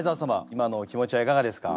今のお気持ちはいかがですか？